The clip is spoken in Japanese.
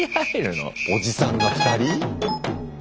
おじさんが２人？